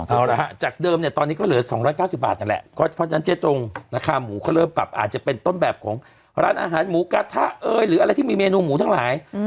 เอาละฮะจากเดิมเนี่ยตอนนี้ก็เหลือ๒๙๐บาทนั่นแหละเพราะฉะนั้นเจ๊จงราคาหมูเขาเริ่มปรับอาจจะเป็นต้นแบบของร้านอาหารหมูกระทะหรืออะไรที่มีเมนูหมูทั้งหลาย